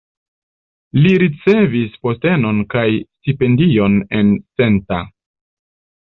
Li ricevis postenon kaj stipendion en Senta.